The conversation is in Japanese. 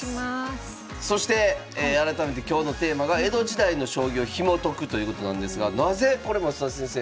そして改めて今日のテーマが江戸時代の将棋をひも解くということなんですがなぜこれ増田先生